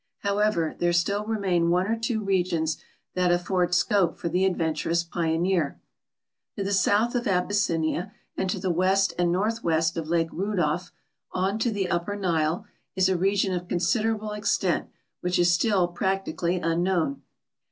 How ever, there still remain one or two regions that afford scope for the adventurous jjioneer. To the south of Abyssinia and to the west and nortliwest of Lake Rudolf, on to the Upper Nile, is a region of considerable ex tent, which is still practically unknown.